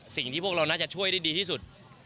สิ่งที่พวกเราน่าจะช่วยได้ดีที่สุด